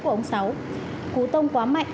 của ông sáu cú tông quá mạnh